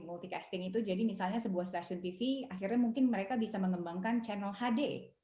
multicasting itu jadi misalnya sebuah stasiun tv akhirnya mungkin mereka bisa mengembangkan channel hd